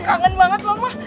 kangen banget lho mah